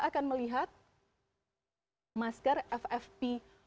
kita akan melihat masker ffp satu